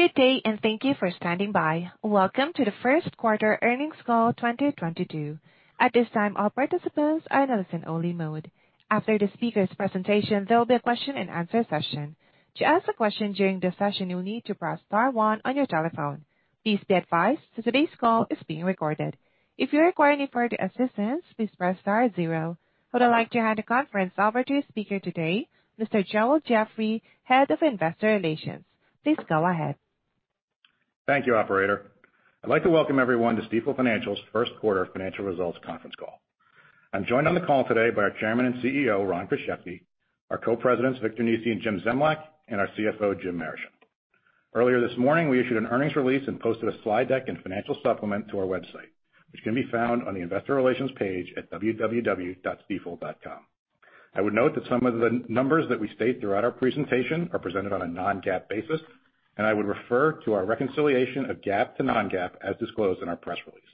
Good day, and thank you for standing by. Welcome to the First Quarter Earnings Call 2022. At this time, all participants are in a listen-only mode. After the speakers' presentation, there will be a question-and-answer session. To ask a question during this session, you'll need to press star one on your telephone. Please be advised that today's call is being recorded. If you require any further assistance, please press star zero. I would like to hand the conference over to our speaker today, Mr. Joel Jeffrey, Head of Investor Relations. Please go ahead. Thank you, Operator. I'd like to welcome everyone to Stifel Financial's first quarter financial results conference call. I'm joined on the call today by our Chairman and CEO, Ron Kruszewski, our Co-Presidents, Victor Nesi and Jim Zemlyak, and our CFO, Jim Marischen. Earlier this morning, we issued an earnings release and posted a slide deck and financial supplement to our website, which can be found on the Investor Relations page at www.stifel.com. I would note that some of the numbers that we state throughout our presentation are presented on a non-GAAP basis, and I would refer to our reconciliation of GAAP to non-GAAP as disclosed in our press release.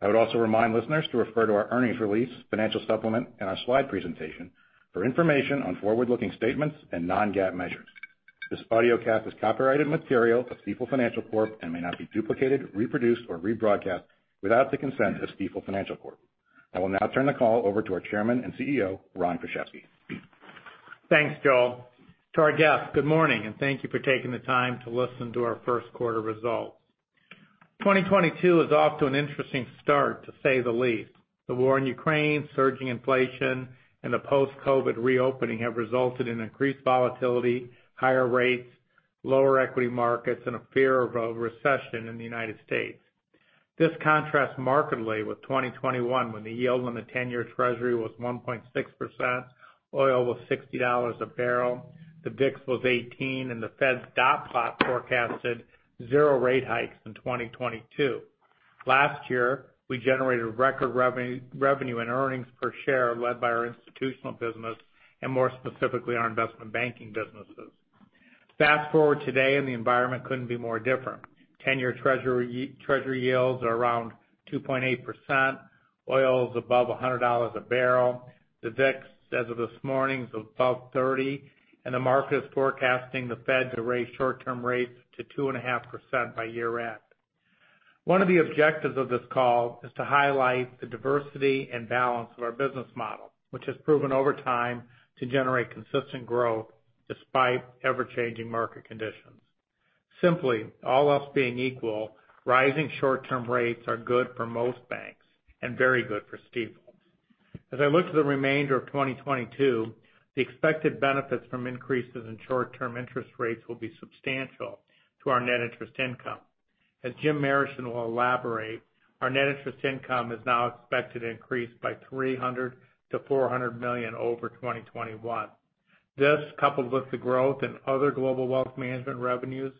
I would also remind listeners to refer to our earnings release, financial supplement, and our slide presentation for information on forward-looking statements and non-GAAP measures. This audio cast is copyrighted material of Stifel Financial Corp and may not be duplicated, reproduced, or rebroadcast without the consent of Stifel Financial Corp. I will now turn the call over to our Chairman and CEO, Ron Kruszewski. Thanks, Joel. To our guests, good morning, and thank you for taking the time to listen to our first quarter results. 2022 is off to an interesting start, to say the least. The war in Ukraine, surging inflation, and the post-COVID reopening have resulted in increased volatility, higher rates, lower equity markets, and a fear of a recession in the United States. This contrasts markedly with 2021 when the yield on the 10-year Treasury was 1.6%, oil was $60 a barrel, the VIX was 18, and the Fed's dot plot forecasted zero rate hikes in 2022. Last year, we generated record revenue and earnings per share led by our institutional business, and more specifically our investment banking businesses. Fast forward today, and the environment couldn't be more different. 10-Year Treasury yields are around 2.8%, oil is above $100 a barrel, the VIX as of this morning is above 30, and the market is forecasting the Fed to raise short-term rates to 2.5% by year-end. One of the objectives of this call is to highlight the diversity and balance of our business model, which has proven over time to generate consistent growth despite ever-changing market conditions. Simply, all else being equal, rising short-term rates are good for most banks and very good for Stifel. As I look to the remainder of 2022, the expected benefits from increases in short-term interest rates will be substantial to our net interest income. As Jim Marischen will elaborate, our net interest income is now expected to increase by $300 million-$400 million over 2021. This, coupled with the growth in other Global Wealth Management revenues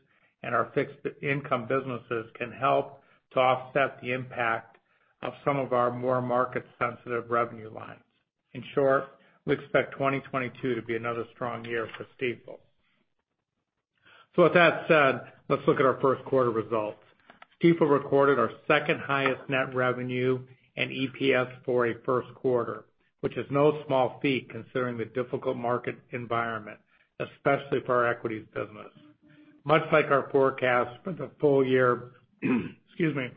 and our fixed income businesses, can help to offset the impact of some of our more market-sensitive revenue lines. In short, we expect 2022 to be another strong year for Stifel. So with that said, let's look at our first quarter results. Stifel recorded our second highest net revenue and EPS for a first quarter, which is no small feat considering the difficult market environment, especially for our equities business. Much like our forecast for the full-year, excuse me,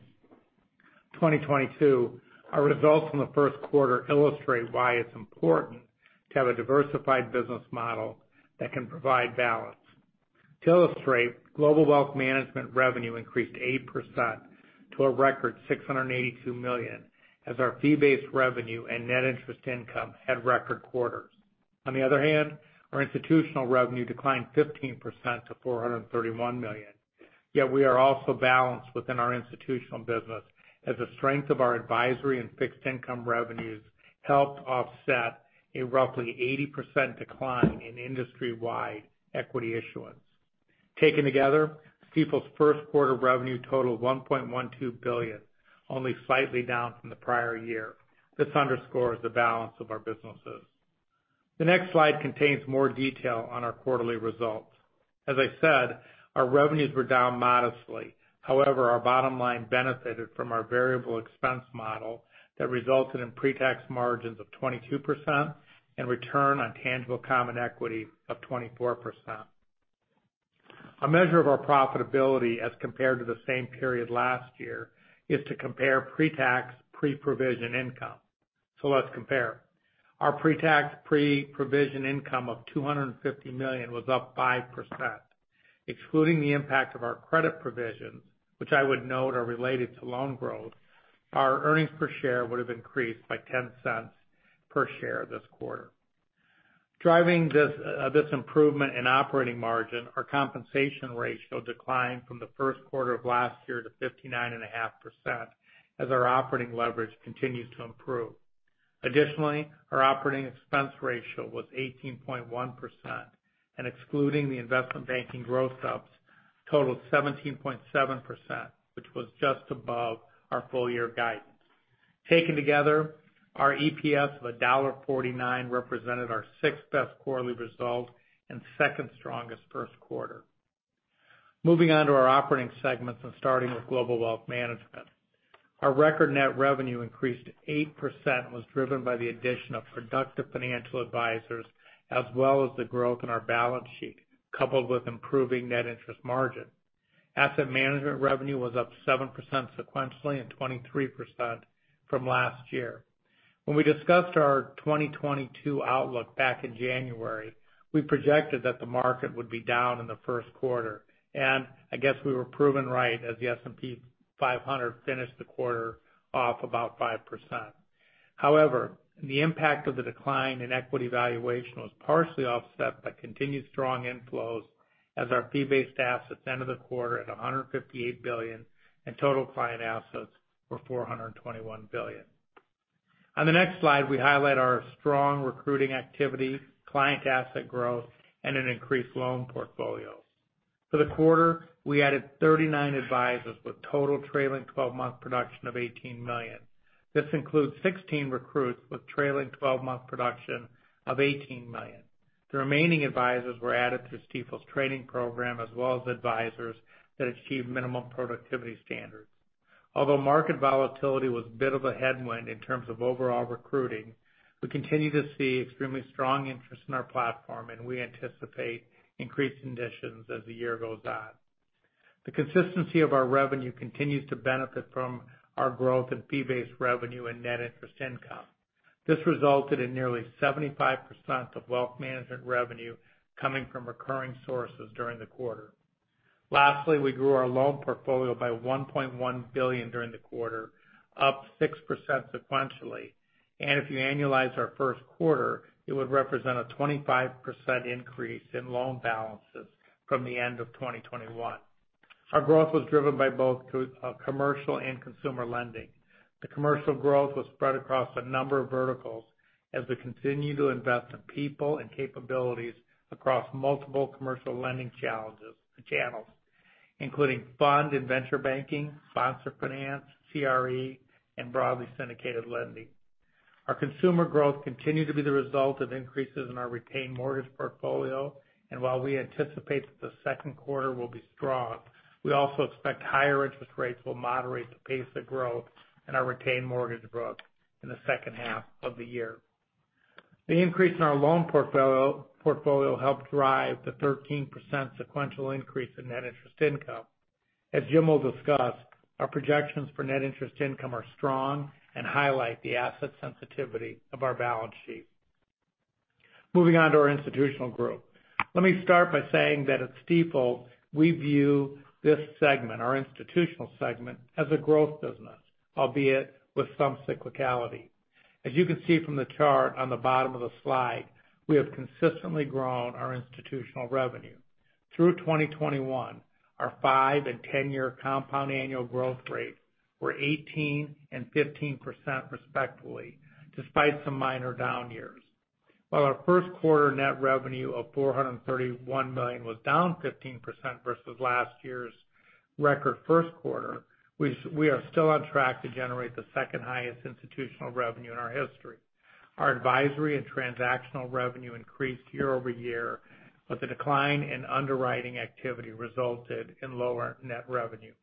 2022, our results in the first quarter illustrate why it's important to have a diversified business model that can provide balance. To illustrate, Global Wealth Management revenue increased 8% to a record $682 million, as our fee-based revenue and net interest income had record quarters. On the other hand, our institutional revenue declined 15% to $431 million, yet we are also balanced within our institutional business, as the strength of our advisory and fixed income revenues helped offset a roughly 80% decline in industry-wide equity issuance. Taken together, Stifel's first quarter revenue totaled $1.12 billion, only slightly down from the prior year. This underscores the balance of our businesses. The next slide contains more detail on our quarterly results. As I said, our revenues were down modestly. However, our bottom line benefited from our variable expense model that resulted in pre-tax margins of 22% and return on tangible common equity of 24%. A measure of our profitability as compared to the same period last year is to compare pre-tax, pre-provision income. So let's compare. Our pre-tax, pre-provision income of $250 million was up 5%. Excluding the impact of our credit provisions, which I would note are related to loan growth, our earnings per share would have increased by $0.10 per share this quarter. Driving this improvement in operating margin, our compensation ratio declined from the first quarter of last year to 59.5%, as our operating leverage continues to improve. Additionally, our operating expense ratio was 18.1%, and excluding the investment banking gross-ups, totaled 17.7%, which was just above our full-year guidance. Taken together, our EPS of $1.49 represented our sixth best quarterly result and second strongest first quarter. Moving on to our operating segments and starting with Global Wealth Management. Our record net revenue increased 8% and was driven by the addition of productive financial advisors, as well as the growth in our balance sheet, coupled with improving net interest margin. Asset management revenue was up 7% sequentially and 23% from last year. When we discussed our 2022 outlook back in January, we projected that the market would be down in the first quarter, and I guess we were proven right as the S&P 500 finished the quarter off about 5%. However, the impact of the decline in equity valuation was partially offset by continued strong inflows, as our fee-based assets ended the quarter at $158 billion, and total client assets were $421 billion. On the next slide, we highlight our strong recruiting activity, client asset growth, and an increased loan portfolio. For the quarter, we added 39 advisors with total trailing 12-month production of $18 million. This includes 16 recruits with trailing 12-month production of $18 million. The remaining advisors were added through Stifel's training program, as well as advisors that achieved minimum productivity standards. Although market volatility was a bit of a headwind in terms of overall recruiting, we continue to see extremely strong interest in our platform, and we anticipate increased conditions as the year goes on. The consistency of our revenue continues to benefit from our growth in fee-based revenue and net interest income. This resulted in nearly 75% of wealth management revenue coming from recurring sources during the quarter. Lastly, we grew our loan portfolio by $1.1 billion during the quarter, up 6% sequentially, and if you annualize our first quarter, it would represent a 25% increase in loan balances from the end of 2021. Our growth was driven by both commercial and consumer lending. The commercial growth was spread across a number of verticals as we continued to invest in people and capabilities across multiple commercial lending channels, including Fund and Venture Banking, Sponsor Finance, CRE, and broadly syndicated lending. Our consumer growth continued to be the result of increases in our retained mortgage portfolio, and while we anticipate that the second quarter will be strong, we also expect higher interest rates will moderate the pace of growth in our retained mortgage growth in the second half of the year. The increase in our loan portfolio helped drive the 13% sequential increase in net interest income. As Jim will discuss, our projections for net interest income are strong and highlight the asset sensitivity of our balance sheet. Moving on to our Institutional Group, let me start by saying that at Stifel, we view this segment, our institutional segment, as a growth business, albeit with some cyclicality. As you can see from the chart on the bottom of the slide, we have consistently grown our institutional revenue. Through 2021, our five and 10-year compound annual growth rates were 18% and 15% respectively, despite some minor down years. While our first quarter net revenue of $431 million was down 15% versus last year's record first quarter, we are still on track to generate the second highest institutional revenue in our history. Our advisory and transactional revenue increased year over year, but the decline in underwriting activity resulted in lower net revenue.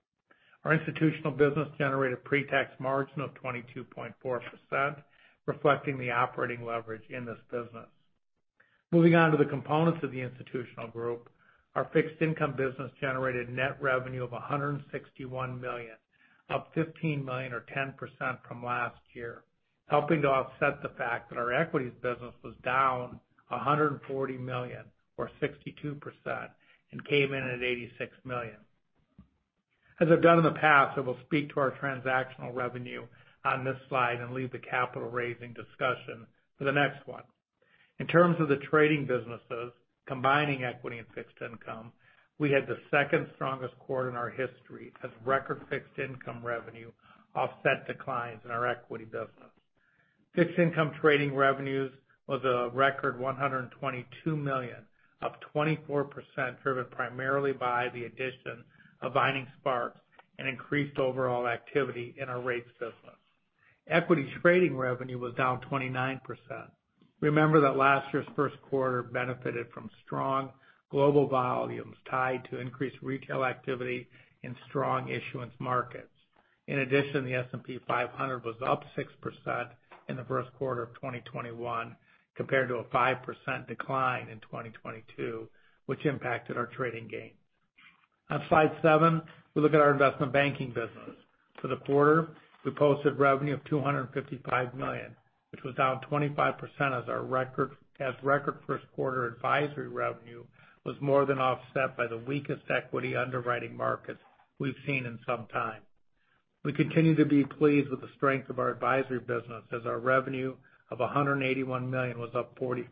Our institutional business generated a pre-tax margin of 22.4%, reflecting the operating leverage in this business. Moving on to the components of the Institutional Group, our fixed income business generated net revenue of $161 million, up $15 million or 10% from last year, helping to offset the fact that our equities business was down $140 million or 62% and came in at $86 million. As I've done in the past, I will speak to our transactional revenue on this slide and leave the capital raising discussion for the next one. In terms of the trading businesses, combining equity and fixed income, we had the second strongest quarter in our history as record fixed income revenue offset declines in our equity business. Fixed income trading revenues was a record $122 million, up 24%, driven primarily by the addition of Vining Sparks and increased overall activity in our rates business. Equity trading revenue was down 29%. Remember that last year's first quarter benefited from strong global volumes tied to increased retail activity in strong issuance markets. In addition, the S&P 500 was up 6% in the first quarter of 2021 compared to a 5% decline in 2022, which impacted our trading gains. On slide 7, we look at our investment banking business. For the quarter, we posted revenue of $255 million, which was down 25% as our record first quarter advisory revenue was more than offset by the weakest equity underwriting markets we've seen in some time. We continue to be pleased with the strength of our advisory business as our revenue of $181 million was up 40%.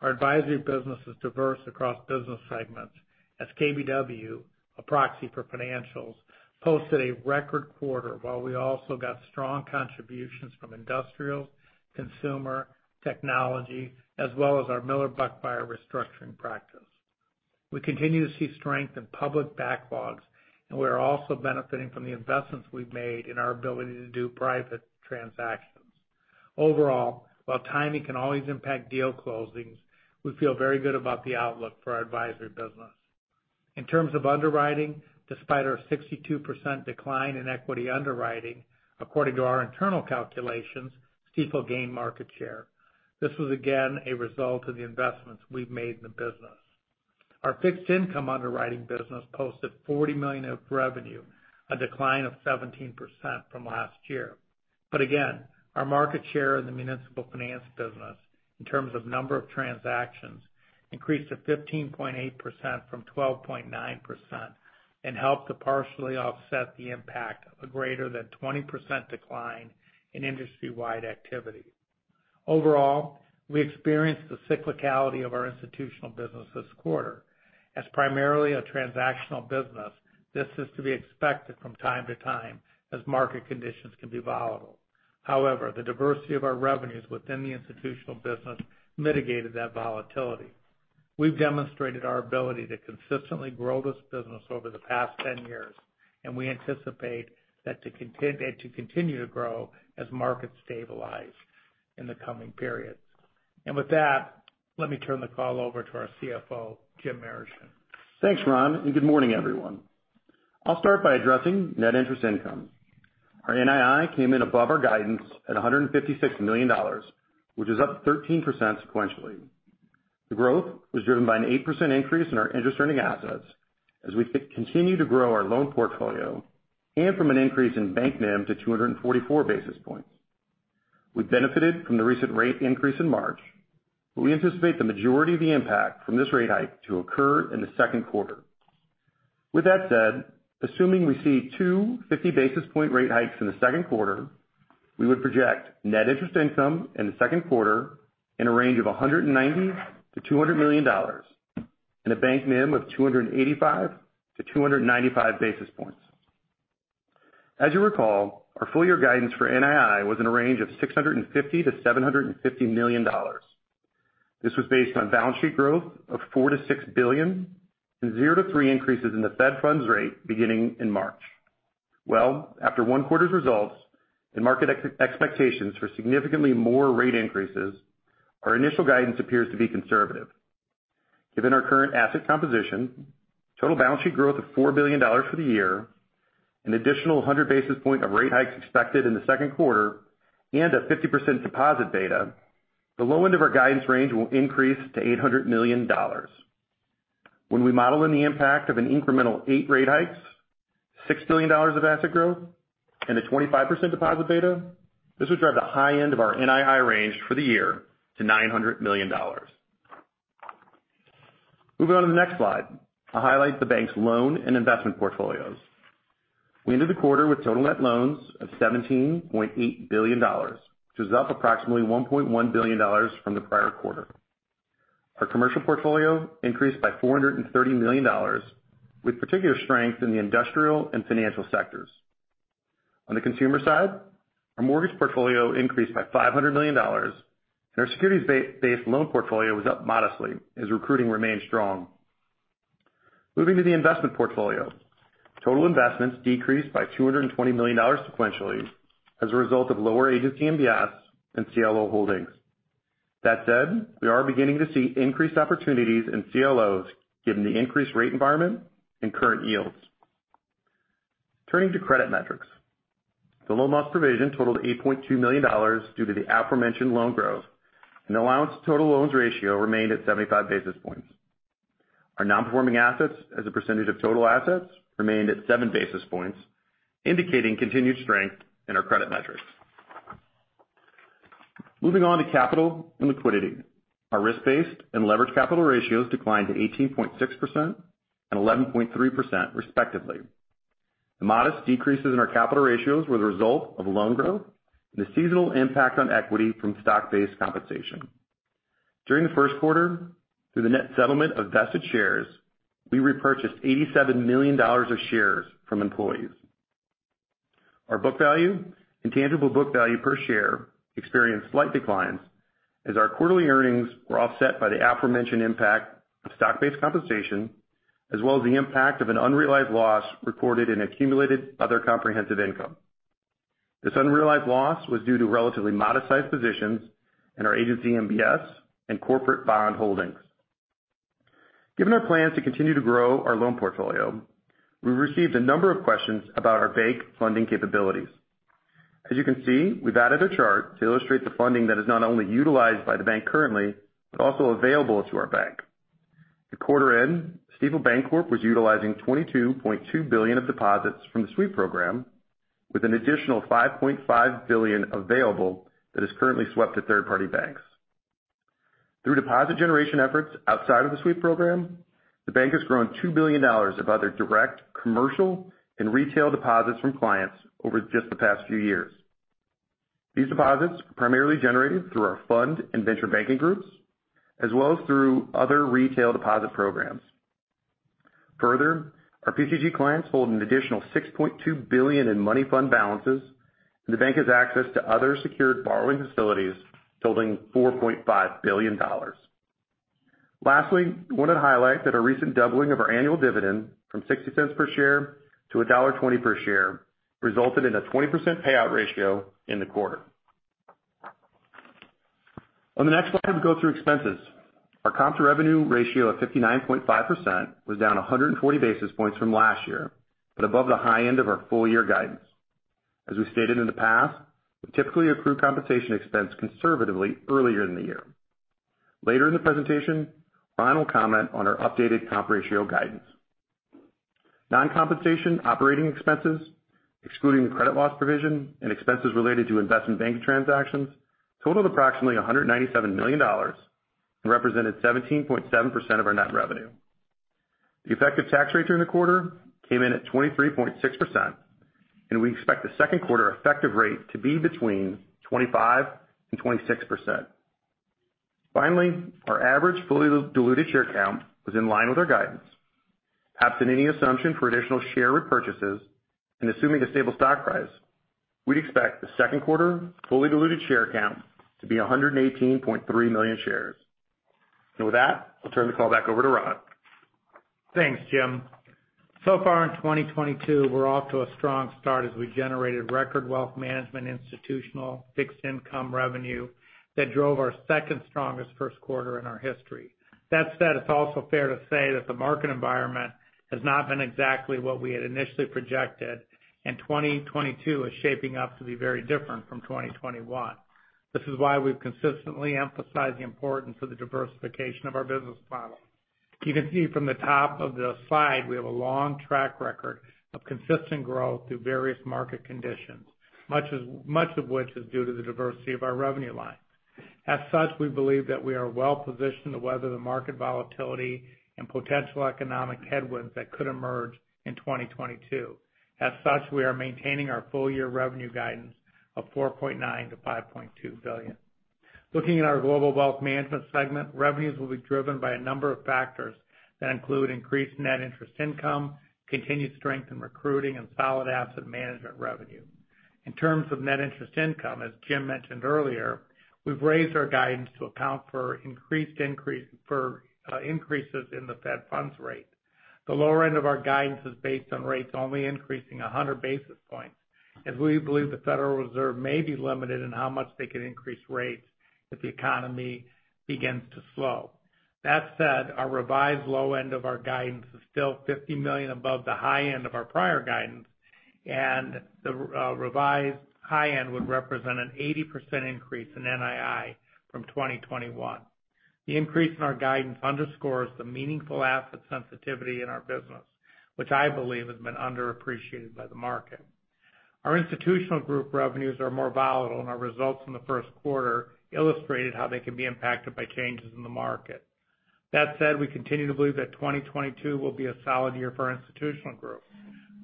Our advisory business is diverse across business segments, as KBW, a proxy for financials, posted a record quarter, while we also got strong contributions from industrials, consumer, technology, as well as our Miller Buckfire restructuring practice. We continue to see strength in public backlogs, and we are also benefiting from the investments we've made in our ability to do private transactions. Overall, while timing can always impact deal closings, we feel very good about the outlook for our advisory business. In terms of underwriting, despite our 62% decline in equity underwriting, according to our internal calculations, Stifel gained market share. This was again a result of the investments we've made in the business. Our fixed income underwriting business posted $40 million of revenue, a decline of 17% from last year. But again, our market share in the municipal finance business, in terms of number of transactions, increased to 15.8% from 12.9% and helped to partially offset the impact of a greater than 20% decline in industry-wide activity. Overall, we experienced the cyclicality of our institutional business this quarter. As primarily a transactional business, this is to be expected from time to time as market conditions can be volatile. However, the diversity of our revenues within the institutional business mitigated that volatility. We've demonstrated our ability to consistently grow this business over the past 10 years, and we anticipate that to continue to grow as markets stabilize in the coming period, and with that, let me turn the call over to our CFO, Jim Marischen. Thanks, Ron, and good morning, everyone. I'll start by addressing net interest income. Our NII came in above our guidance at $156 million, which is up 13% sequentially. The growth was driven by an 8% increase in our interest-earning assets as we continue to grow our loan portfolio and from an increase in bank NIM to 244 basis points. We benefited from the recent rate increase in March, but we anticipate the majority of the impact from this rate hike to occur in the second quarter. With that said, assuming we see two 50 basis point rate hikes in the second quarter, we would project net interest income in the second quarter in a range of $190 million-$200 million and a bank NIM of 285-295 basis points. As you recall, our full-year guidance for NII was in a range of $650 million-$750 million. This was based on balance sheet growth of $4 billion-$6 billion and zero to three increases in the Fed funds rate beginning in March. After one quarter's results and market expectations for significantly more rate increases, our initial guidance appears to be conservative. Given our current asset composition, total balance sheet growth of $4 billion for the year, an additional 100 basis points of rate hikes expected in the second quarter, and a 50% deposit beta, the low end of our guidance range will increase to $800 million. When we model in the impact of an incremental eight rate hikes, $6 billion of asset growth, and a 25% deposit beta, this would drive the high end of our NII range for the year to $900 million. Moving on to the next slide, I'll highlight the bank's loan and investment portfolios. We ended the quarter with total net loans of $17.8 billion, which is up approximately $1.1 billion from the prior quarter. Our commercial portfolio increased by $430 million, with particular strength in the industrial and financial sectors. On the consumer side, our mortgage portfolio increased by $500 million, and our securities-based loan portfolio was up modestly as recruiting remained strong. Moving to the investment portfolio, total investments decreased by $220 million sequentially as a result of lower agency and MBS and CLO holdings. That said, we are beginning to see increased opportunities in CLOs given the increased rate environment and current yields. Turning to credit metrics, the loan loss provision totaled $8.2 million due to the aforementioned loan growth, and the allowance to total loans ratio remained at 75 basis points. Our non-performing assets as a percentage of total assets remained at 7 basis points, indicating continued strength in our credit metrics. Moving on to capital and liquidity, our risk-based and leveraged capital ratios declined to 18.6% and 11.3%, respectively. The modest decreases in our capital ratios were the result of loan growth and the seasonal impact on equity from stock-based compensation. During the first quarter, through the net settlement of vested shares, we repurchased $87 million of shares from employees. Our book value and tangible book value per share experienced slight declines as our quarterly earnings were offset by the aforementioned impact of stock-based compensation, as well as the impact of an unrealized loss recorded in Accumulated Other Comprehensive Income. This unrealized loss was due to relatively modest sized positions in our agency and MBS and corporate bond holdings. Given our plans to continue to grow our loan portfolio, we received a number of questions about our bank funding capabilities. As you can see, we've added a chart to illustrate the funding that is not only utilized by the bank currently, but also available to our bank. At quarter end, Stifel Bancorp was utilizing $22.2 billion of deposits from the Sweep program, with an additional $5.5 billion available that is currently swept to third-party banks. Through deposit generation efforts outside of the Sweep program, the bank has grown $2 billion of other direct commercial and retail deposits from clients over just the past few years. These deposits are primarily generated through our Fund and Venture Banking groups, as well as through other retail deposit programs. Further, our PCG clients hold an additional $6.2 billion in money fund balances, and the bank has access to other secured borrowing facilities totaling $4.5 billion. Lastly, I wanted to highlight that a recent doubling of our annual dividend from $0.60 per share to $1.20 per share resulted in a 20% payout ratio in the quarter. On the next slide, we go through expenses. Our comps revenue ratio of 59.5% was down 140 basis points from last year, but above the high end of our full-year guidance. As we stated in the past, we typically accrue compensation expense conservatively earlier in the year. Later in the presentation, Ron will comment on our updated comp ratio guidance. Non-compensation operating expenses, excluding the credit loss provision and expenses related to investment banking transactions, totaled approximately $197 million and represented 17.7% of our net revenue. The effective tax rate during the quarter came in at 23.6%, and we expect the second quarter effective rate to be between 25% and 26%. Finally, our average fully diluted share count was in line with our guidance. Absent any assumption for additional share repurchases and assuming a stable stock price, we'd expect the second quarter fully diluted share count to be 118.3 million shares. And with that, I'll turn the call back over to Ron. Thanks, Jim. So far in 2022, we're off to a strong start as we generated record wealth management institutional fixed income revenue that drove our second strongest first quarter in our history. That said, it's also fair to say that the market environment has not been exactly what we had initially projected, and 2022 is shaping up to be very different from 2021. This is why we've consistently emphasized the importance of the diversification of our business model. You can see from the top of the slide, we have a long track record of consistent growth through various market conditions, much of which is due to the diversity of our revenue line. As such, we believe that we are well positioned to weather the market volatility and potential economic headwinds that could emerge in 2022. As such, we are maintaining our full-year revenue guidance of $4.9 billion-$5.2 billion. Looking at our Global Wealth Management segment, revenues will be driven by a number of factors that include increased net interest income, continued strength in recruiting, and solid asset management revenue. In terms of net interest income, as Jim mentioned earlier, we've raised our guidance to account for increased increases in the Fed funds rate. The lower end of our guidance is based on rates only increasing 100 basis points, as we believe the Federal Reserve may be limited in how much they can increase rates illustrated how they can be impacted by changes in the market. That said, we continue to believe that 2022 will be a solid year for our institutional group.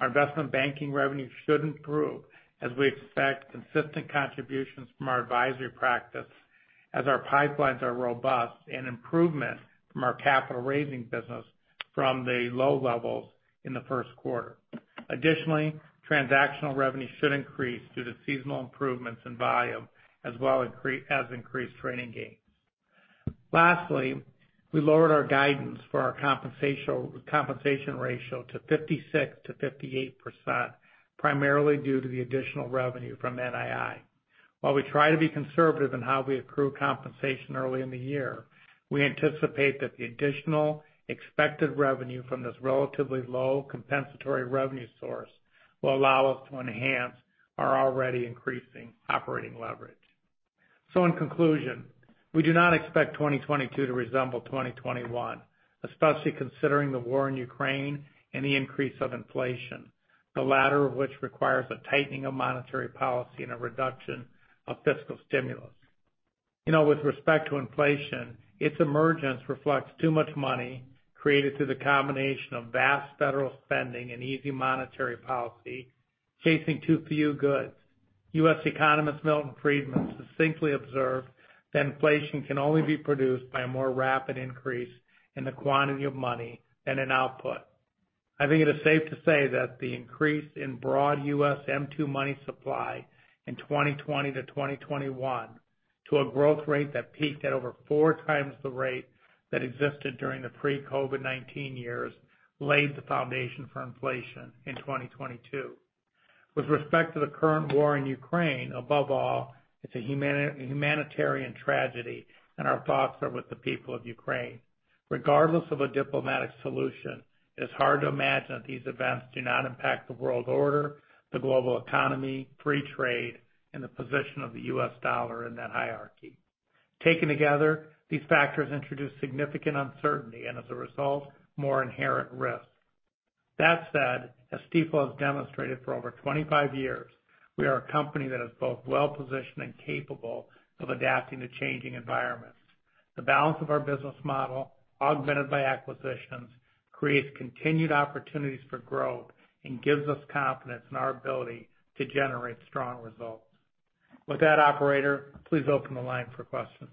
Our investment banking revenue should improve, as we expect consistent contributions from our advisory practice, as our pipelines are robust, and improvement from our capital raising business from the low levels in the first quarter. Additionally, transactional revenue should increase due to seasonal improvements in volume, as well as increased trading gains. Lastly, we lowered our guidance for our compensation ratio to 56%-58%, primarily due to the additional revenue from NII. While we try to be conservative in how we accrue compensation early in the year, we anticipate that the additional expected revenue from this relatively low compensatory revenue source will allow us to enhance our already increasing operating leverage. So, in conclusion, we do not expect 2022 to resemble 2021, especially considering the war in Ukraine and the increase of inflation, the latter of which requires a tightening of monetary policy and a reduction of fiscal stimulus. With respect to inflation, its emergence reflects too much money created through the combination of vast federal spending and easy monetary policy chasing too few goods. U.S. economist Milton Friedman succinctly observed that inflation can only be produced by a more rapid increase in the quantity of money than in output. I think it is safe to say that the increase in broad U.S. M2 money supply in 2020 to 2021 to a growth rate that peaked at over 4x the rate that existed during the pre-COVID-19 years laid the foundation for inflation in 2022. With respect to the current war in Ukraine, above all, it's a humanitarian tragedy, and our thoughts are with the people of Ukraine. Regardless of a diplomatic solution, it is hard to imagine that these events do not impact the world order, the global economy, free trade, and the position of the U.S. dollar in that hierarchy. Taken together, these factors introduce significant uncertainty and, as a result, more inherent risks. That said, as Stifel has demonstrated for over 25 years, we are a company that is both well-positioned and capable of adapting to changing environments. The balance of our business model, augmented by acquisitions, creates continued opportunities for growth and gives us confidence in our ability to generate strong results. With that, Operator, please open the line for questions.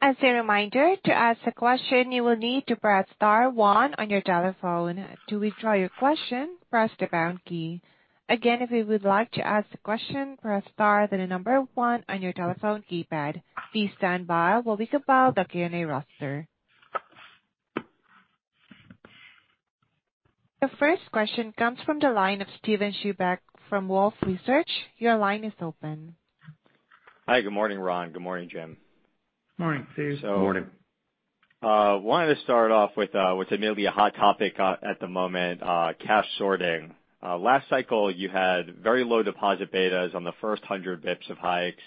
As a reminder, to ask a question, you will need to press star one on your telephone. To withdraw your question, press the pound key. Again, if you would like to ask a question, press star then the number one on your telephone keypad. Please stand by while we compile the Q&A roster. The first question comes from the line of Steven Chubak from Wolfe Research. Your line is open. Hi, good morning, Ron. Good morning, Jim. Morning, Steve. Good morning. Wanted to start off with what's admittedly a hot topic at the moment, cash sorting. Last cycle, you had very low deposit betas on the first 100 basis points of hikes.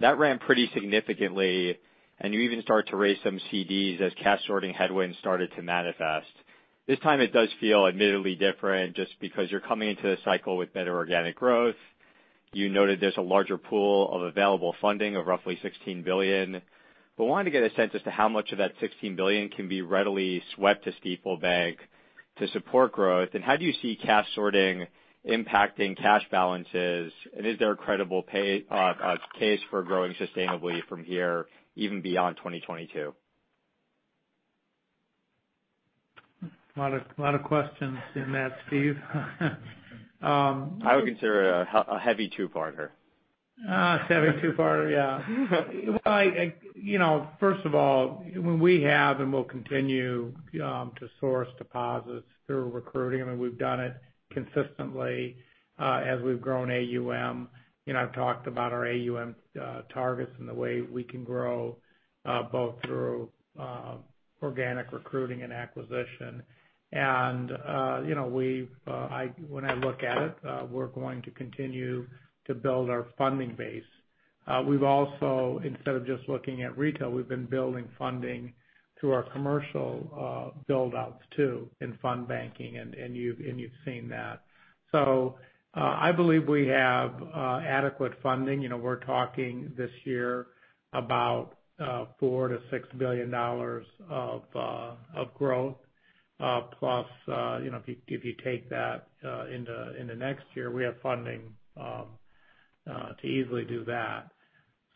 That ran pretty significantly, and you even started to raise some CDs as cash sorting headwinds started to manifest. This time, it does feel admittedly different just because you're coming into the cycle with better organic growth. You noted there's a larger pool of available funding of roughly $16 billion. But I wanted to get a sense as to how much of that $16 billion can be readily swept to Stifel Bank to support growth, and how do you see cash sorting impacting cash balances? And is there a credible case for growing sustainably from here, even beyond 2022? Lots of questions in that, Steve. I would consider it a heavy two-parter. A heavy two-parter, yeah. Well, first of all, we have and will continue to source deposits through recruiting. I mean, we've done it consistently as we've grown AUM. I've talked about our AUM targets and the way we can grow both through organic recruiting and acquisition. And when I look at it, we're going to continue to build our funding base. We've also, instead of just looking at retail, we've been building funding through our commercial build-outs too in fund banking, and you've seen that. I believe we have adequate funding. We're talking this year about $4 billion-$6 billion of growth, plus if you take that into next year, we have funding to easily do that.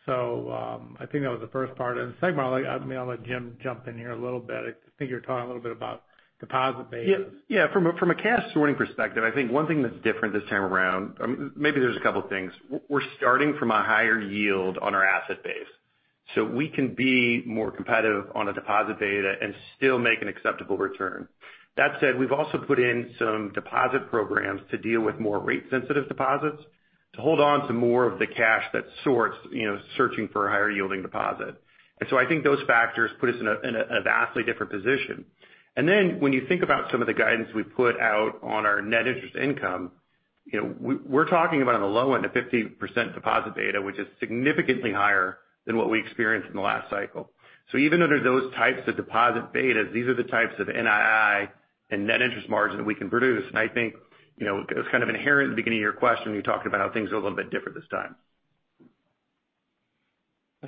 I think that was the first part. And Second, I'm going to let Jim jump in here a little bit. I think you were talking a little bit about deposit bases. Yeah, from a cash sorting perspective, I think one thing that's different this time around, maybe there's a couple of things. We're starting from a higher yield on our asset base. So we can be more competitive on a deposit beta and still make an acceptable return. That said, we've also put in some deposit programs to deal with more rate-sensitive deposits, to hold on to more of the cash that's searching for a higher-yielding deposit. And so I think those factors put us in a vastly different position. And then when you think about some of the guidance we put out on our net interest income, we're talking about on the low end a 50% deposit beta, which is significantly higher than what we experienced in the last cycle. So even under those types of deposit betas, these are the types of NII and net interest margin that we can produce. I think it was kind of inherent in the beginning of your question when you talked about how things are a little bit different this time.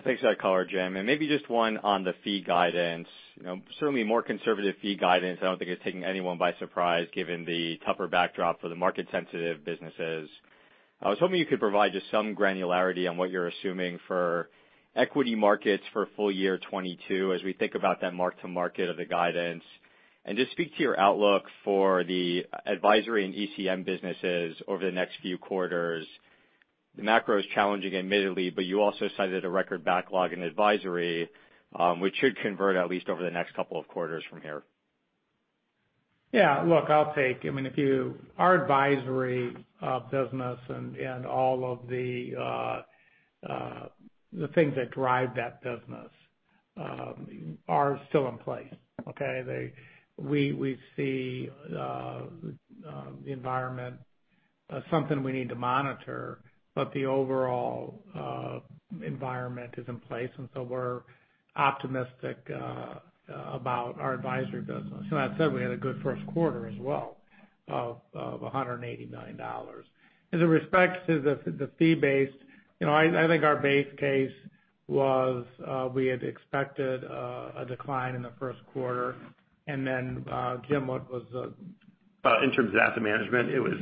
Thanks for that call, James. Maybe just one on the fee guidance. Certainly, more conservative fee guidance. I don't think it's taking anyone by surprise, given the tougher backdrop for the market-sensitive businesses. I was hoping you could provide just some granularity on what you're assuming for equity markets for full year 2022 as we think about that mark-to-market of the guidance. Just speak to your outlook for the advisory and ECM businesses over the next few quarters. The macro is challenging admittedly, but you also cited a record backlog in advisory, which should convert at least over the next couple of quarters from here. Yeah, look, I'll take. I mean, if our advisory business and all of the things that drive that business are still in place. Okay? We see the environment as something we need to monitor, but the overall environment is in place, and so we're optimistic about our advisory business. That said, we had a good first quarter as well of $180 million. As it relates to the fee-based, I think our base case was we had expected a decline in the first quarter. And then Jim was-- In terms of asset management, it was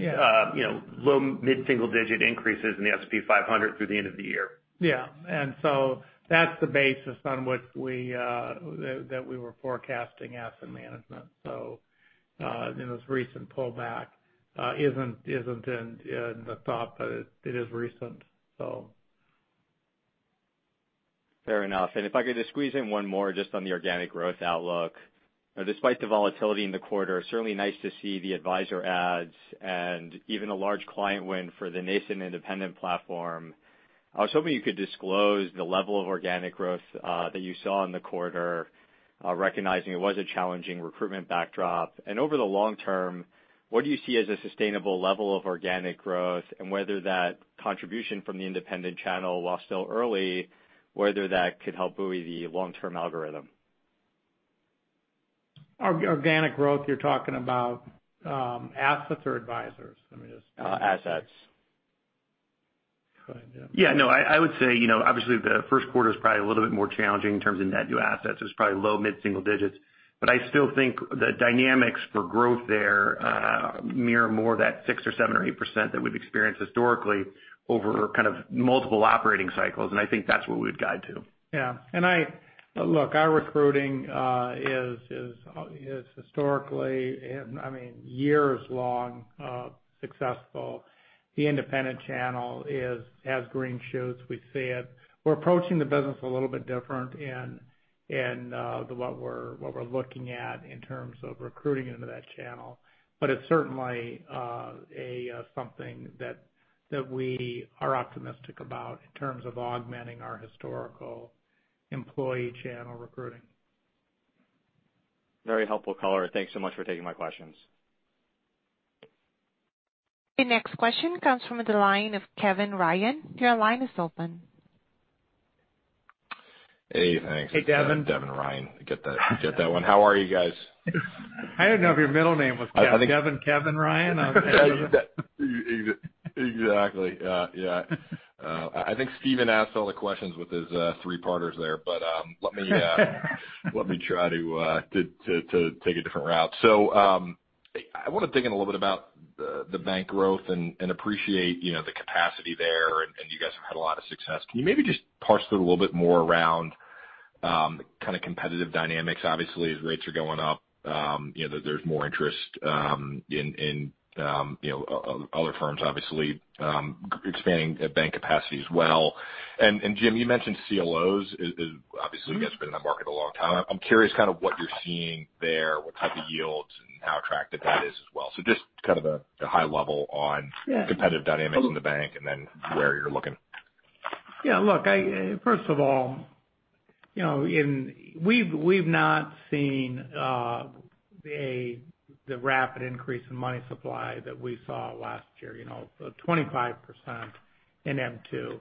low, mid-single-digit increases in the S&P 500 through the end of the year. Yeah. And so that's the basis on which we were forecasting asset management. So this recent pullback isn't in the thought, but it is recent, so. Fair enough. And if I could just squeeze in one more just on the organic growth outlook. Despite the volatility in the quarter, certainly nice to see the advisor adds and even a large client win for the nascent independent platform. I was hoping you could disclose the level of organic growth that you saw in the quarter, recognizing it was a challenging recruitment backdrop. And over the long term, what do you see as a sustainable level of organic growth and whether that contribution from the independent channel, while still early, whether that could help buoy the long-term algorithm? Organic growth, you're talking about assets or advisors? Let me just. Assets. Yeah, no, I would say, obviously, the first quarter is probably a little bit more challenging in terms of net new assets. It was probably low, mid-single digits. But I still think the dynamics for growth there mirror more that 6% or 7% or 8% that we've experienced historically over kind of multiple operating cycles. And I think that's what we would guide to. Yeah. And look, our recruiting is historically, I mean, years-long successful. The independent channel has green shoots. We see it. We're approaching the business a little bit different in what we're looking at in terms of recruiting into that channel. But it's certainly something that we are optimistic about in terms of augmenting our historical employee channel recruiting. Very helpful, color. Thanks so much for taking my questions. The next question comes from the line of Devin Ryan. Your line is open. Hey, thanks. Hey, Devin. Devin Ryan. Get that one. How are you guys? I didn't know if your middle name was Kevin. I think. Devin Kevin Ryan. Exactly. Yeah. I think Steven asked all the questions with his three-parters there, but let me try to take a different route. I want to dig in a little bit about the bank growth and appreciate the capacity there, and you guys have had a lot of success. Can you maybe just parse through a little bit more around kind of competitive dynamics? Obviously, as rates are going up, there's more interest in other firms, obviously, expanding bank capacity as well. And Jim, you mentioned CLOs. Obviously, you guys have been in the market a long time. I'm curious kind of what you're seeing there, what type of yields, and how attractive that is as well. So just kind of a high level on competitive dynamics in the bank and then where you're looking. Yeah. Look, first of all, we've not seen the rapid increase in money supply that we saw last year, 25% in M2.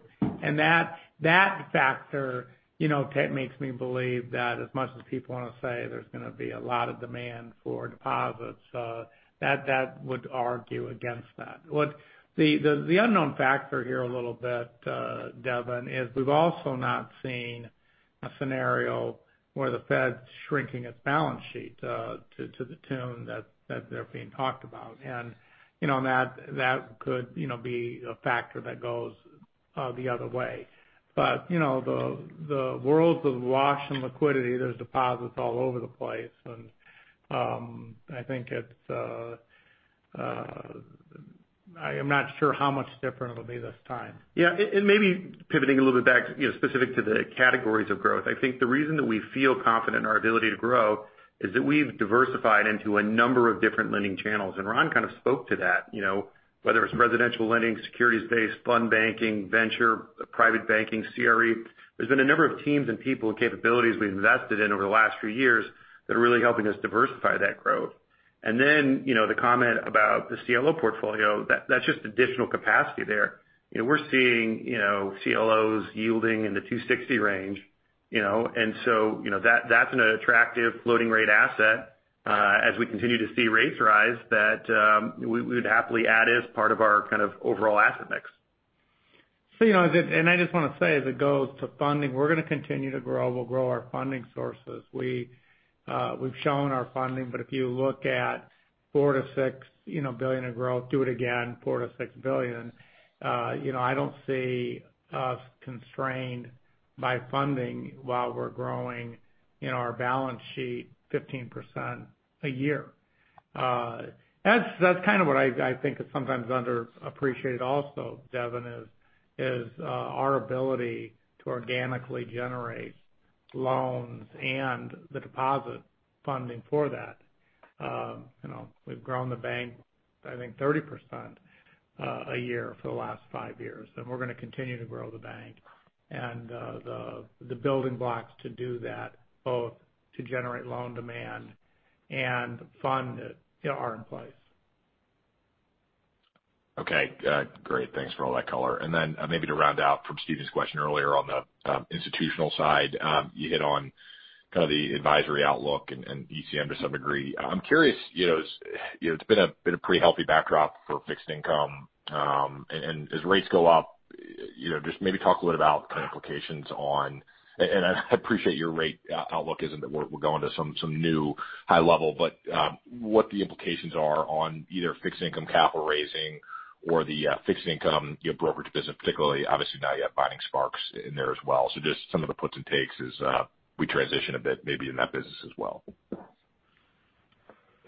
That factor makes me believe that as much as people want to say there's going to be a lot of demand for deposits, that would argue against that. The unknown factor here a little bit, Devin, is we've also not seen a scenario where the Fed's shrinking its balance sheet to the tune that they're being talked about. That could be a factor that goes the other way. But the world's awash in liquidity. There's deposits all over the place. I think, I'm not sure how much different it'll be this time. Yeah. And maybe pivoting a little bit back specific to the categories of growth, I think the reason that we feel confident in our ability to grow is that we've diversified into a number of different lending channels. And Ron kind of spoke to that, whether it's residential lending, securities-based, fund banking, venture, private banking, CRE. There's been a number of teams and people and capabilities we've invested in over the last few years that are really helping us diversify that growth. And then the comment about the CLO portfolio, that's just additional capacity there. We're seeing CLOs yielding in the 260 range. And so that's an attractive floating-rate asset as we continue to see rates rise that we would happily add as part of our kind of overall asset mix. And I just want to say, as it goes to funding, we're going to continue to grow. We'll grow our funding sources. We've shown our funding, but if you look at $4 billion-$6 billion of growth, do it again, $4 billion-$6 billion. I don't see us constrained by funding while we're growing our balance sheet 15% a year. That's kind of what I think is sometimes underappreciated also, Devin, is our ability to organically generate loans and the deposit funding for that. We've grown the bank, I think, 30% a year for the last five years. And we're going to continue to grow the bank. And the building blocks to do that, both to generate loan demand and fund it, are in place. Okay. Great. Thanks for all that, color. And then maybe to round out from Steven's question earlier on the institutional side, you hit on kind of the advisory outlook and ECM to some degree. I'm curious. It's been a pretty healthy backdrop for fixed income. And as rates go up, just maybe talk a little bit about kind of implications on and I appreciate your rate outlook isn't that we're going to some new high level, but what the implications are on either fixed income capital raising or the fixed income brokerage business, particularly, obviously, now you have Vining Sparks in there as well. So just some of the puts and takes as we transition a bit maybe in that business as well. Yeah.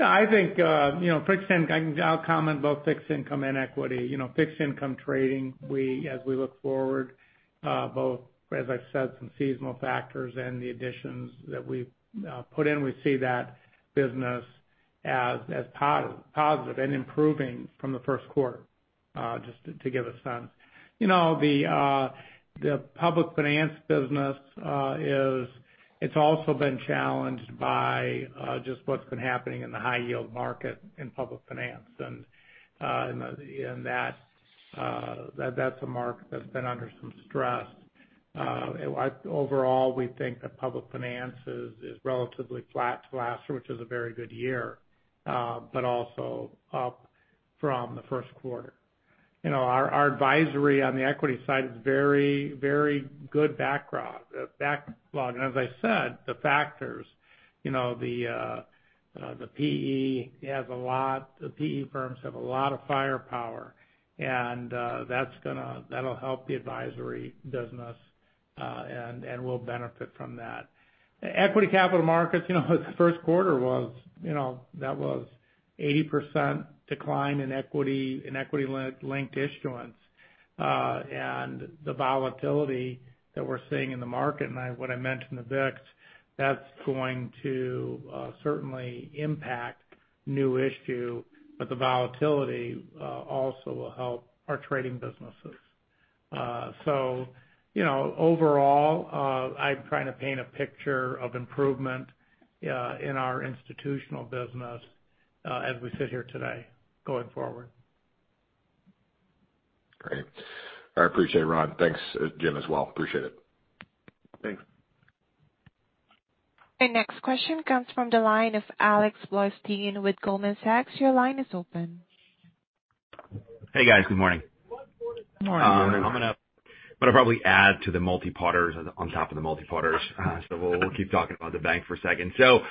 I think fixed income. I'll comment both fixed income and equity. Fixed income trading, as we look forward, both, as I said, some seasonal factors and the additions that we've put in, we see that business as positive and improving from the first quarter, just to give a sense. The public finance business. It's also been challenged by just what's been happening in the high-yield market in public finance. And that's a market that's been under some stress. Overall, we think that public finance is relatively flat to last year, which is a very good year, but also up from the first quarter. Our advisory on the equity side is very, very good backlog. And as I said, the PE firms have a lot of firepower. And that'll help the advisory business, and we'll benefit from that. Equity capital markets, the first quarter was 80% decline in equity-linked issuance. And the volatility that we're seeing in the market, and what I mentioned, the VIX, that's going to certainly impact new issue. But the volatility also will help our trading businesses. So overall, I'm trying to paint a picture of improvement in our institutional business as we sit here today going forward. Great. I appreciate it, Ron. Thanks, Jim, as well. Appreciate it. Thanks. The next question comes from the line of Alex Blostein with Goldman Sachs. Your line is open. Hey, guys. Good morning. Good morning. Good morning. I'm going to probably add to the multi-parters on top of the multi-parters. So we'll keep talking about the bank for a second. So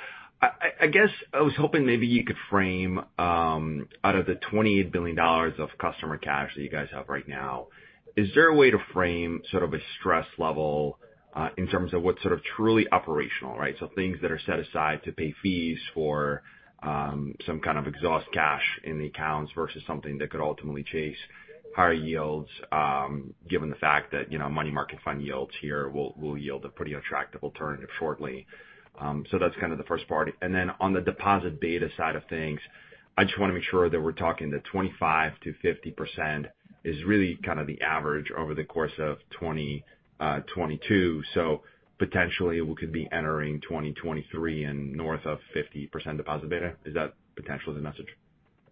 I guess I was hoping maybe you could frame out of the $28 billion of customer cash that you guys have right now. Is there a way to frame sort of a stress level in terms of what's sort of truly operational, right? So, things that are set aside to pay fees for some kind of excess cash in the accounts versus something that could ultimately chase higher yields, given the fact that money market fund yields here will yield a pretty attractive alternative shortly. So that's kind of the first part. And then on the deposit beta side of things, I just want to make sure that we're talking that 25%-50% is really kind of the average over the course of 2022. So potentially, we could be entering 2023 and north of 50% deposit beta. Is that potentially the message?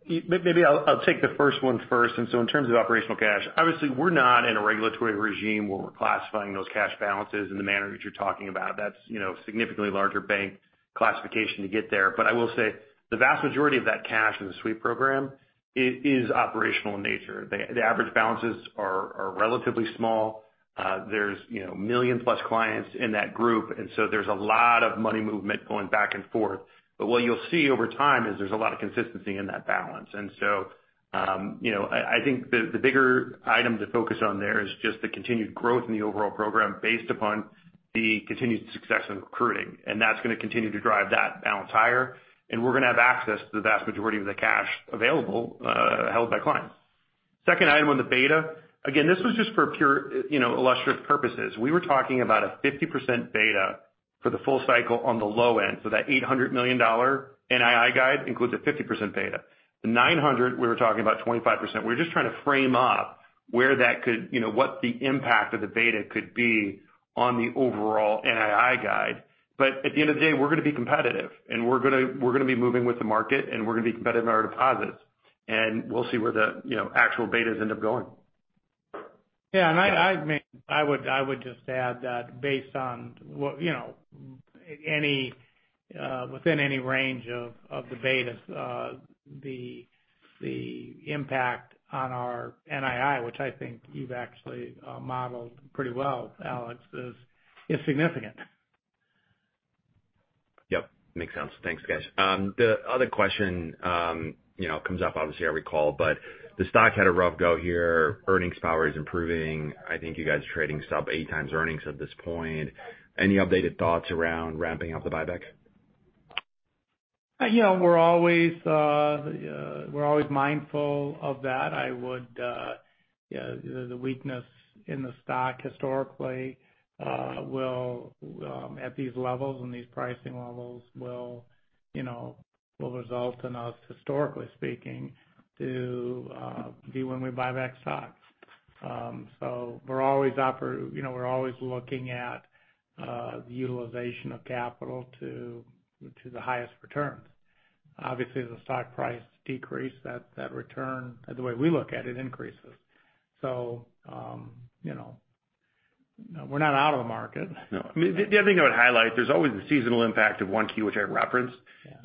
Maybe I'll take the first one first. And so in terms of operational cash, obviously, we're not in a regulatory regime where we're classifying those cash balances in the manner that you're talking about. That's a significantly larger bank classification to get there. I will say the vast majority of that cash in the Sweep program is operational in nature. The average balances are relatively small. There's millions plus clients in that group. And so there's a lot of money movement going back and forth. But what you'll see over time is there's a lot of consistency in that balance. I think the bigger item to focus on there is just the continued growth in the overall program based upon the continued success in recruiting. And that's going to continue to drive that balance higher. And we're going to have access to the vast majority of the cash available held by clients. Second item on the beta, again, this was just for illustrative purposes. We were talking about a 50% beta for the full cycle on the low end. So that $800 million NII guide includes a 50% beta. The $900 we were talking about 25%. We're just trying to frame up where that could, what the impact of the beta could be on the overall NII guide. But at the end of the day, we're going to be competitive. And we're going to be moving with the market. And we're going to be competitive in our deposits. And we'll see where the actual betas end up going. Yeah. And I would just add that, based on within any range of the betas, the impact on our NII, which I think you've actually modeled pretty well, Alex, is significant. Yep. Makes sense. Thanks, guys. The other question comes up, obviously I recall, but the stock had a rough go here. Earnings power is improving. I think you guys are trading sub eight times earnings at this point. Any updated thoughts around ramping up the buyback? Yeah. We're always mindful of that. I would say the weakness in the stock historically at these levels and these pricing levels will result in us, historically speaking, to unwind our buyback stocks. So we're always looking at the utilization of capital to the highest returns. Obviously, as the stock price decreased, that return, the way we look at it, increases. So we're not out of the market. No. The other thing I would highlight, there's always the seasonal impact of 1Q, which I referenced.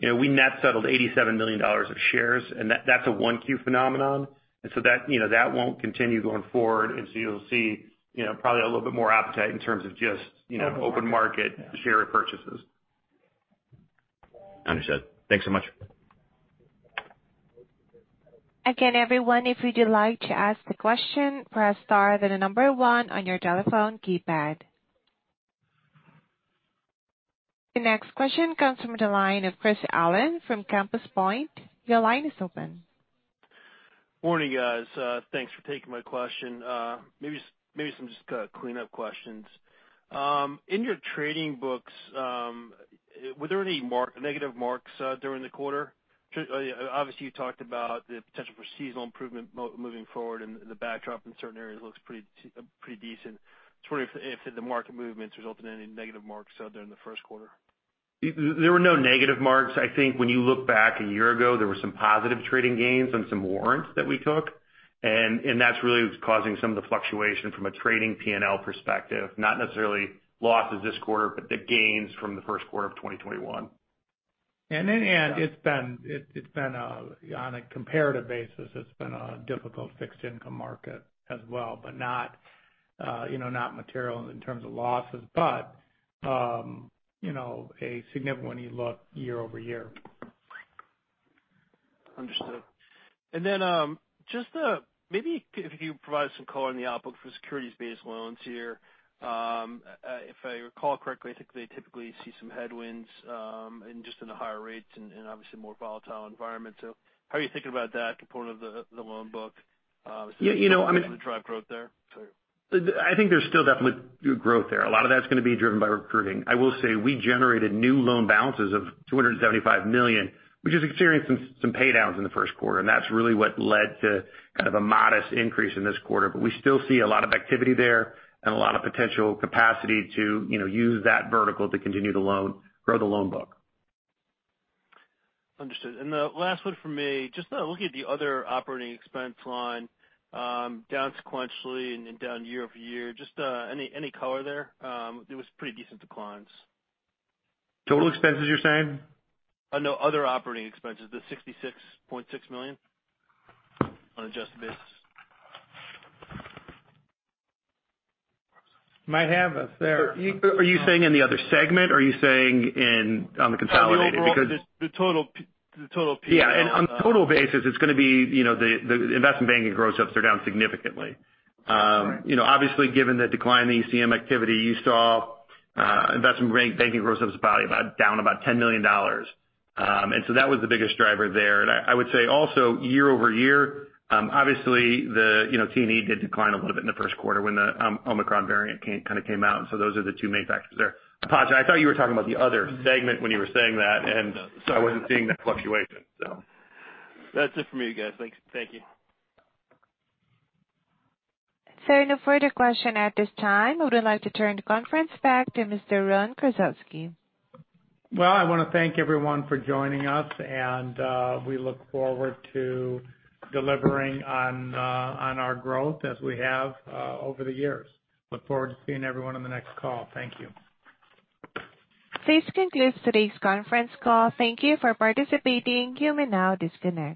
We net settled $87 million of shares. And that's a 1Q phenomenon. And so that won't continue going forward. And so you'll see probably a little bit more appetite in terms of just open market share purchases. Understood. Thanks so much. Again, everyone, if you'd like to ask the question, press star then the number one on your telephone keypad. The next question comes from the line of Chris Allen from Compass Point. Your line is open. Morning, guys. Thanks for taking my question. Maybe some just cleanup questions. In your trading books, were there any negative marks during the quarter? Obviously, you talked about the potential for seasonal improvement moving forward, and the backdrop in certain areas looks pretty decent. Just wondering if the market movements resulted in any negative marks during the first quarter. There were no negative marks. I think when you look back a year ago, there were some positive trading gains on some warrants that we took. And that's really causing some of the fluctuation from a trading P&L perspective, not necessarily losses this quarter, but the gains from the first quarter of 2021. And it's been on a comparative basis. It's been a difficult fixed income market as well, but not material in terms of losses, but a significant when you look year over year. Understood. And then just maybe if you could provide us some color on the outlook for securities-based loans here. If I recall correctly, I think they typically see some headwinds and just in the higher rates and obviously more volatile environment. So how are you thinking about that component of the loan book? Is there anything that's going to drive growth there? I think there's still definitely growth there. A lot of that's going to be driven by recruiting. I will say we generated new loan balances of $275 million, which has experienced some paydowns in the first quarter. And that's really what led to kind of a modest increase in this quarter. But we still see a lot of activity there and a lot of potential capacity to use that vertical to continue to grow the loan book. Understood. And the last one for me, just looking at the other operating expense line down sequentially and down year over year, just any color there? There was pretty decent declines. Total expenses, you're saying? No, other operating expenses, the $66.6 million on adjusted basis. Might have us there. Are you saying in the other segment? Are you saying on the consolidated? No, no. The total P&L. Yeah. And on the total basis, it's going to be the investment banking gross-ups are down significantly. Obviously, given the decline in ECM activity, you saw investment banking gross-ups down about $10 million. And so that was the biggest driver there. I would say also year over year, obviously, the T&E did decline a little bit in the first quarter when the Omicron variant kind of came out. So those are the two main factors there. I thought you were talking about the other segment when you were saying that. I wasn't seeing that fluctuation, so. That's it for me, guys. Thank you. There are no further questions at this time. I would like to turn the conference back to Mr. Ron Kruszewski. I want to thank everyone for joining us. We look forward to delivering on our growth as we have over the years. Look forward to seeing everyone on the next call. Thank you. This concludes today's conference call. Thank you for participating. You may now disconnect.